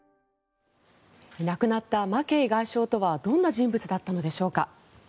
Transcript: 亡くなったマケイ外相とはどんな人物だったのでしょうか。